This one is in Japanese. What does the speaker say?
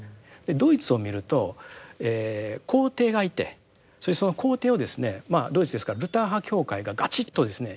ドイツを見ると皇帝がいてそれでその皇帝をですねドイツですからルター派教会がガチッとですね